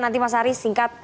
nanti mas arief singkat